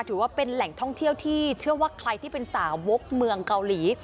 ถือว่าเป็นแหล่งท่องเที่ยวที่เชื่อว่าใครที่เป็นสาวกเมืองเกาหลี